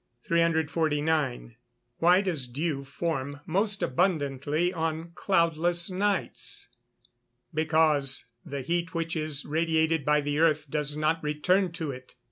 349. Why does dew form most abundantly on cloudless nights? Because the heat which is radiated by the earth does not return to it.